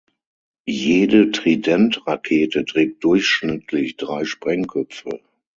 Jede Trident-Rakete trägt durchschnittlich drei Sprengköpfe.